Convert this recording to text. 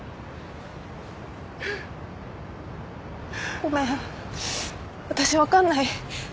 ごめん私分かんない。